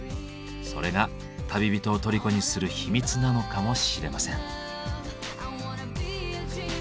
それが旅人を虜にする秘密なのかもしれません。